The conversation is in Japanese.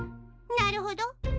なるほど。